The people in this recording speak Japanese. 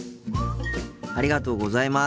ありがとうございます。